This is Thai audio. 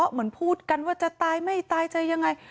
เหมือนพูดกันว่าจะตายไม่ตายจะยังไง